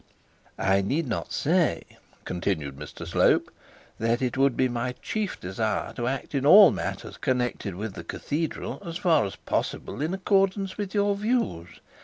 'I need not say,' continued Mr Slope, 'that it would be my chief desire to act in all matters connected with cathedral as far as possible in accordance with your views.